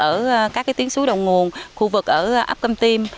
ở các tiến suối đầu nguồn khu vực ở ấp câm tim